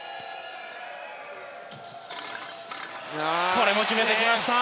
これも決めてきた。